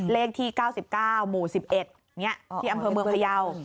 เลขที่๙๙หมู่๑๑ที่อำเภอเมืองพยาว